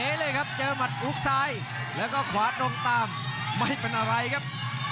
เลยครับเจอหมัดฮุกซ้ายแล้วก็ขวาตรงตามไม่เป็นอะไรครับ